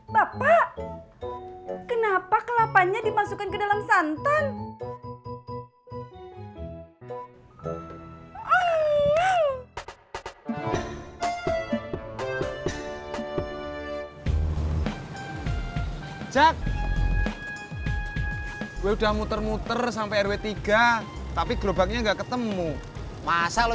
bapak ini diulek lagi kurang halus